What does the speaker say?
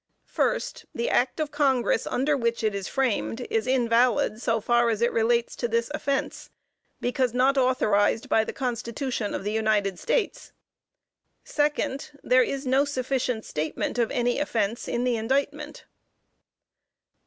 First The Act of Congress under which it is framed, is invalid so far as it relates to this offence, because not authorized by the Constitution of the United States. Second There is no sufficient statement of any offence in the indictment.